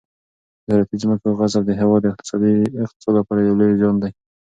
د زراعتي ځمکو غصب د هېواد د اقتصاد لپاره یو لوی زیان دی.